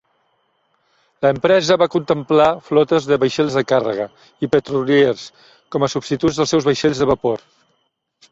L'empresa va contemplar flotes de vaixells de càrrega i petroliers com a substituts dels seus vaixells de vapor.